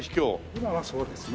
今はそうですね。